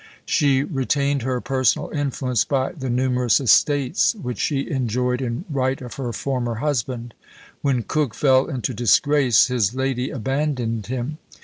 She retained her personal influence by the numerous estates which she enjoyed in right of her former husband. When Coke fell into disgrace, his lady abandoned him!